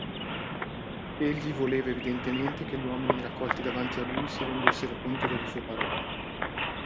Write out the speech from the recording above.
Egli voleva evidentemente che gli uomini raccolti davanti a lui si rendessero conto delle sue parole.